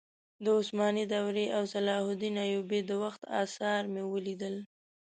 د عثماني دورې او صلاح الدین ایوبي د وخت اثار مې ولیدل.